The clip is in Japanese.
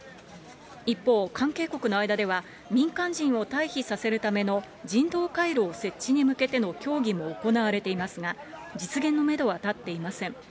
一方、関係国の間では、民間人を退避させるための人道回廊設置に向けての協議も行われていますが、実現のメドは立っていません。